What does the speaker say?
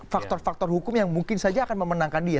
faktor faktor hukum yang mungkin saja akan memenangkan dia